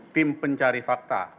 tim pencari fakta